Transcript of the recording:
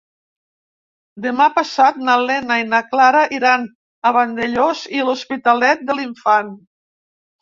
Demà passat na Lena i na Clara iran a Vandellòs i l'Hospitalet de l'Infant.